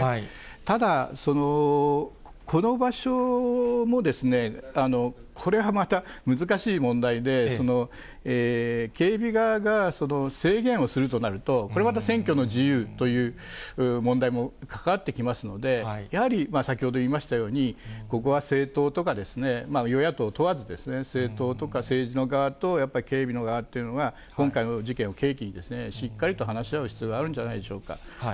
ただ、この場所も、これはまた難しい問題で、警備側が制限をするとなると、これまた選挙の自由という問題にも関わってきますので、やはり先ほど言いましたように、ここは政党とか、与野党問わず、政党とか政治の側とやっぱり警備の側というのが、今回の事件を契機に、しっかりと話し合う必要があるんじゃないでしょうか。